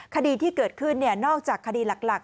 คดีที่เกิดขึ้นนอกจากคดีหลัก